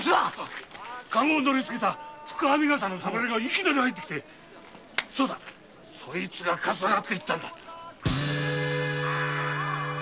カゴを乗りつけた深編笠の侍がいきなり入ってきてそいつがかっさらって行ったんだ。